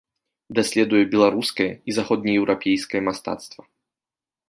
Даследуе беларускае і заходнееўрапейскае мастацтва.